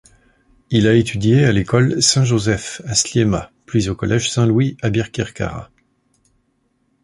Il a étudié à l'école Saint-Joseph à Sliema puis au collège Saint-Louis, à Birkirkara.